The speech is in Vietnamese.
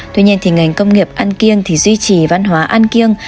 tuy nhiên thì ngành công nghiệp ăn kiêng thì duy trì văn hóa an kiêng